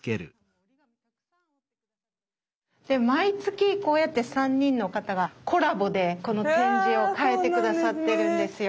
毎月こうやって３人の方がコラボでこの展示を変えて下さってるんですよ。